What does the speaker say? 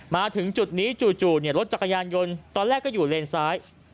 มาถึงจุดนี้จู่รถจักรยานยนต์ตอนแรกก็อยู่เลนซ้าย